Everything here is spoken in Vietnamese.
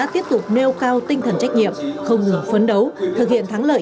tiếp tục nêu cao tinh thần trách nhiệm không ngừng phấn đấu thực hiện thắng lợi